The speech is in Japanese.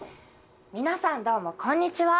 「皆さんどうもこんにちは」